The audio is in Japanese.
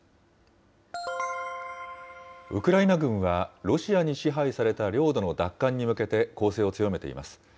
ウクライナ軍は、ロシアに支配された領土の奪還に向けて攻勢を強めています。